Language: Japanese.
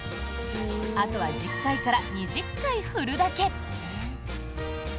あとは１０回から２０回振るだけ。